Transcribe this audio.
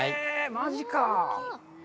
マジか！